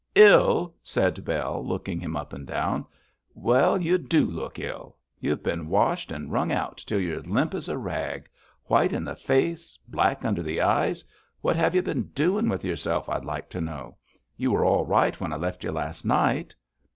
'Ill!' said Bell, looking him up and down; 'well, you do look ill. You've been washed and wrung out till you're limp as a rag. White in the face, black under the eyes! What have you been doing with yourself, I'd like to know. You were all right when I left you last night.'